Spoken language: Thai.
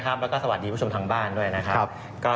แล้วก็สวัสดีผู้ชมทางบ้านด้วยนะครับ